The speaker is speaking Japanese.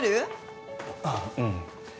ああうん。